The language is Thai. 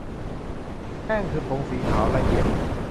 แป้งคือผงสีขาวละเอียด